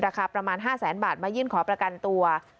ราคาประมาณ๕แสนบาทมายื่นขอประกันตัว